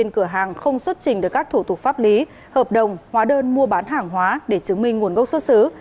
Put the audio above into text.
chủ trình được các thủ tục pháp lý hợp đồng hóa đơn mua bán hàng hóa để chứng minh nguồn gốc xuất xứ